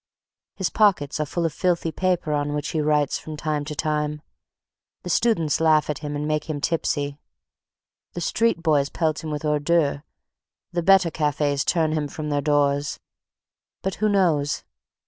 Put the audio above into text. His pockets are full of filthy paper on which he writes from time to time. The students laugh at him and make him tipsy; the street boys pelt him with ordure; the better cafes turn him from their doors. But who knows?